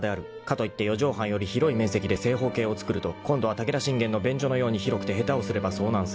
［かといって四畳半より広い面積で正方形をつくると今度は武田信玄の便所のように広くて下手をすれば遭難する］